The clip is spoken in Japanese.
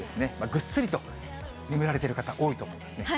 ぐっすりと眠られている方、多いと思いますね。